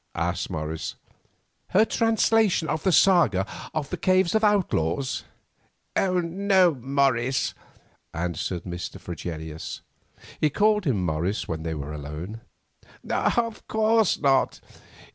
asked Morris. "Her translation of the Saga of the Cave Outlaws?" "No, Morris," answered Mr. Fregelius—he called him Morris when they were alone—"of course not.